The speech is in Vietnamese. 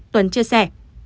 tuấn chia sẻ